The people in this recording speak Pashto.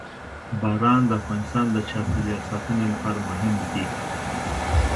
باران د افغانستان د چاپیریال ساتنې لپاره مهم دي.